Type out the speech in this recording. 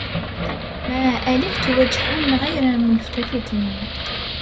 ما لي ألفت وجها غير ملتفت